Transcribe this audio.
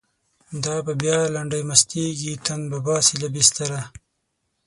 دا به بیا لنډۍ مستیږی، تن به باسی له بستره